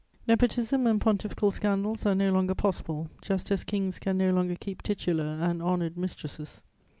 Nepotism and pontifical scandals are no longer possible, just as kings can no longer keep titular and honoured mistresses.